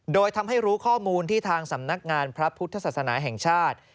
โดยทำให้รู้ข้อมูลที่ทางสำนักงานพระพุทธศาสนาแห่งชาติ